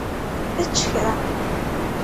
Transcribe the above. Ečč kra.